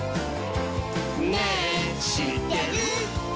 「ねぇしってる？」